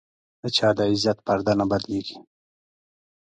د چا د عزت پرده نه بدلېږي.